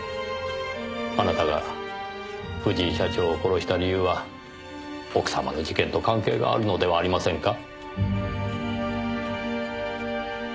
あなたが藤井社長を殺した理由は奥様の事件と関係があるのではありませんか？